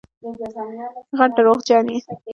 غټ دروغجن یې